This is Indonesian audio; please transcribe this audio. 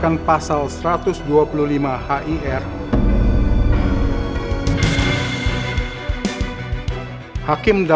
aku harus berhasil